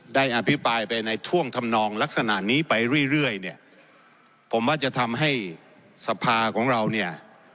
อภิปรายไปในท่วงทำนองลักษณะนี้ไปเรื่อยเรื่อยเนี่ยผมว่าจะทำให้สภาของเราเนี่ย